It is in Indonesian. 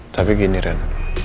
tapi gini ren